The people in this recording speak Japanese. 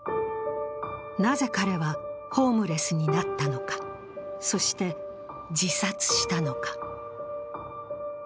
なぜ彼はホームレスになったのか、そして自殺したのか。